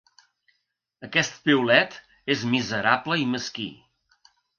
Aquest piulet és miserable i mesquí.